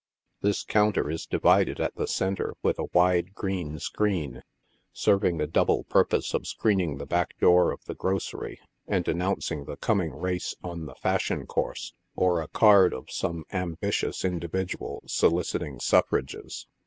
This counter is divided at the centre with a wide green screen, serving the double purpose of screening the back door of the grocery and announcing the com ing race on the Fashion Course, or the card of some ambitious indi vidual soliciting suffrages.